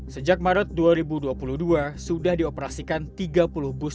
sejak maret dua ribu dua puluh dua sudah dioperasikan tiga puluh bus